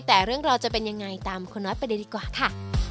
แต่เรื่องราวจะเป็นยังไงตามคุณน้อยไปเลยดีกว่าค่ะ